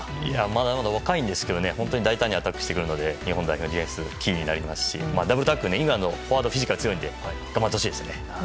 まだまだ若いんですけど本当に大胆にアタックしてくるので日本代表にどうしてくるのか気になりますしダブルタックルフォワードのフィジカルが強いので頑張ってほしいですね。